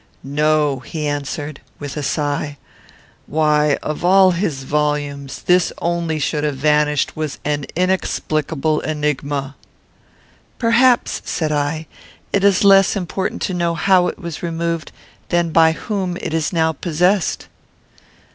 "No," he answered, with a sigh. "Why, of all his volumes, this only should have vanished, was an inexplicable enigma." "Perhaps," said I, "it is less important to know how it was removed, than by whom it is now possessed."